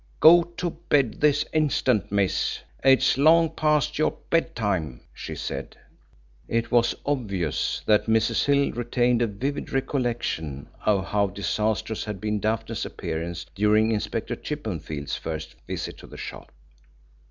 "Go to bed this instant, miss; it's long past your bedtime," she said. It was obvious that Mrs. Hill retained a vivid recollection of how disastrous had been Daphne's appearance during Inspector Chippenfield's first visit to the shop.